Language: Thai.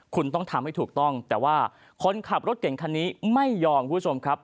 คุณต้องทำให้ถูกต้องแต่ว่าคนขับรถเก่งคันนี้ไม่ยอมคุณผู้ชมครับ